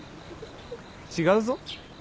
違うぞ。